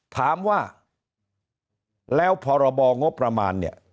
ถามว่าแล้วพรบงบประมาณเนี่ย